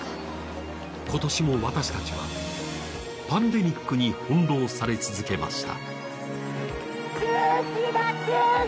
今年も私たちは、パンデミックに翻弄され続けました。